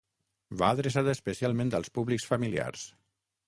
Va adreçada especialment als públics familiars.